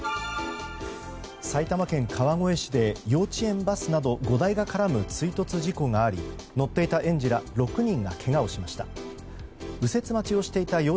埼玉県川越市で幼稚園バスなど５台が絡む追突事故があり乗っていた園児ら６人がけがをしました。